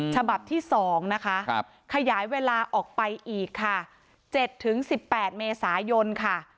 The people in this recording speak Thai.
ฉบับที่๒นะคะขยายเวลาออกไปอีกค่ะ๗๑๘เมษายนค่ะ